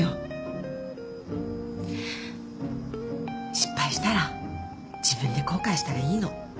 失敗したら自分で後悔したらいいの。